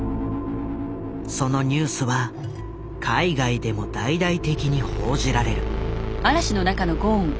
そのニュースは海外でも大々的に報じられる。